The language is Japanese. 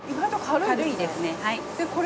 軽いですね。